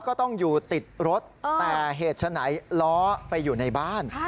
ก็ต้องอยู่ติดรถแต่เหตุฉะไหนล้อไปอยู่ในบ้าน